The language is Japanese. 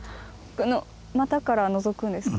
この股からのぞくんですか？